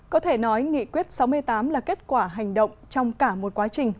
có thể nói nghị quyết sáu mươi tám là kết quả hành động trong cả một quá trình